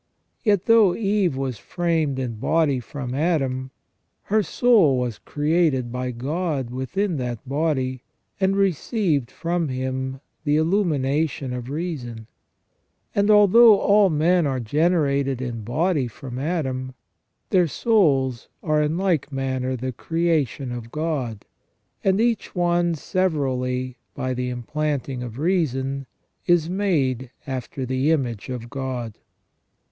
Yet though Eve was framed in body from Adam, her soul was created by God within that body, and received from Him the illumination of reason. And although all men are generated in body from Adam, their souls are in like manner the creation of God, and each one severally by the implanting of reason is made after the image of God.